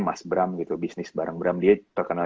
mas bram gitu bisnis bareng bram dia terkenal